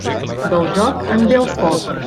Del joc, en ve el foc.